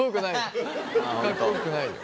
かっこよくないよ。